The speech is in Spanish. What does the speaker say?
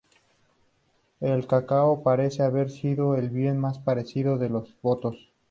El cacao parece haber sido el bien más preciado de los botos.